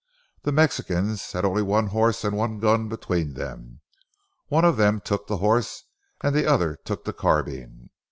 The Mexicans had only one horse and one gun between them. One of them took the horse and the other took the carbine.